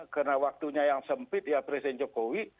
karena waktunya yang sempit ya presiden jokowi